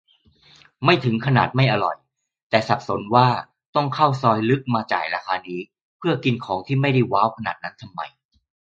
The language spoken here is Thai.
ไม่ถึงขนาดไม่อร่อย แต่สับสนว่า ต้องเข้าซอยลึกมาจ่ายราคานี้ เพื่อกินของที่ก็ไม่ได้ว้าวขนาดนั้นทำไม